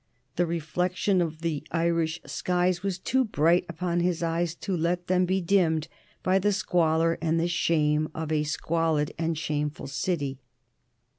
The reflection of the Irish skies was too bright upon his eyes to let them be dimmed by the squalor and the shame of a squalid and shameful city.